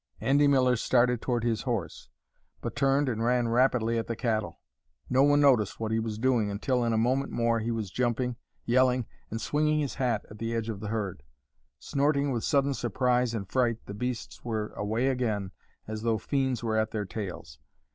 Andy Miller started toward his horse, but turned and ran rapidly at the cattle. No one noticed what he was doing until, in a moment more, he was jumping, yelling, and swinging his hat at the edge of the herd. Snorting with sudden surprise and fright, the beasts were away again as though fiends were at their tails.